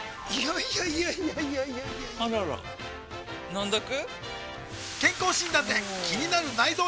いやいやいやいやあらら飲んどく？